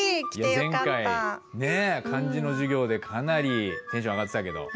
前回漢字の授業でかなりテンション上がってたけど。